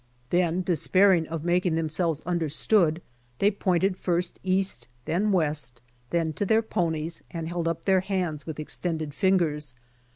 Then despair INDIANS 37 ing of making themselves understood, they pointed first east then west, then to their ponies and held up their hands with extended fingers.